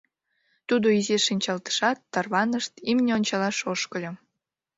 Тудо изиш шинчалтышат, тарваныш, имне ончалаш ошкыльо.